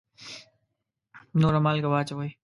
نوره مالګه واچوئ